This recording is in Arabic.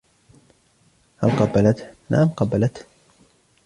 " هل قبلته ؟"" نعم قبلته ".